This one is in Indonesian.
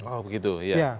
oh begitu ya